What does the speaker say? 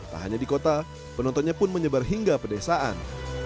tak hanya di kota penontonnya pun menyebar hingga pedesaan